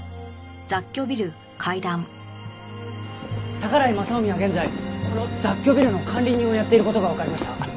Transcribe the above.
宝居雅臣は現在この雑居ビルの管理人をやっている事がわかりました。